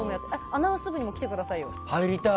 アナウンス部にも来てくださいよ。